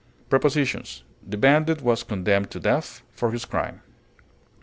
Prepositions: The bandit was condemned to death for his crime.